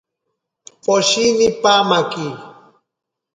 Poshini pamaki.